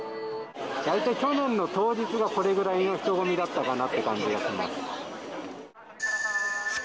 大体去年の当日がこれくらいの人混みだったかなという感じがします。